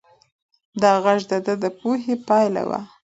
دا غږ د ده د پوهې پایله وه.